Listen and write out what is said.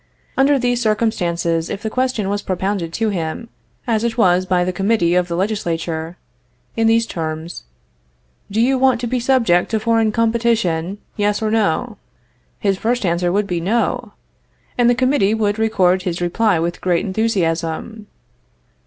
Under these circumstances, if the question was propounded to him, as it was by the committee of the Legislature, in these terms: "Do you want to be subject to foreign competition? yes or no," his first answer would be "No," and the committee would record his reply with great enthusiasm.